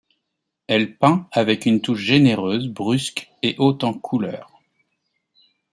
Elle peint avec une touche généreuse, brusque et haute en couleurs.